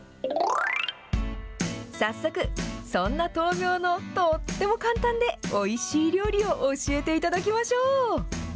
早速、そんなとうみょうのとっても簡単でおいしい料理を教えていただきましょう。